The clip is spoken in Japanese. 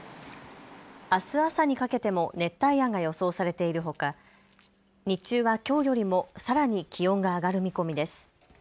あす朝にかけても熱帯夜が予想されているほか日中はきょうよりもさらに気温が上がる見込みです。